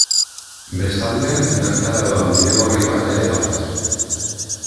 Bestalde, bertara doan bidegorri bat ere badago.